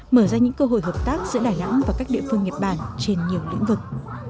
mở ra những cơ hội hợp tác giữa đà nẵng và các địa phương nhật bản trên nhiều lĩnh vực